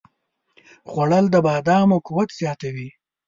خوړل د بادامو قوت زیاتوي